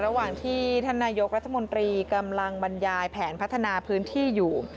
ระหว่างที่ท่านนายกรัฐมนตรีกำลังบรรยายแผนพัฒนาพื้นที่อยู่